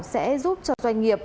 sẽ giúp cho doanh nghiệp